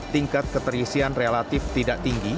tingkat keterisian relatif tidak tinggi